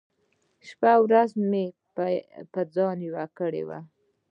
شپه ورځ به مې په ځان يوه کړې وه .